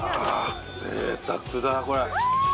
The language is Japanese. ぜいたくだこれ。